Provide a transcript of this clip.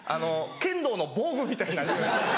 剣道の防具みたいな。